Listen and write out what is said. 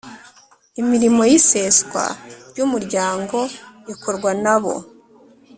Imirimo y’iseswa ry’umuryango ikorwa na bo